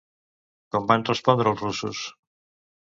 Com van respondre els russos?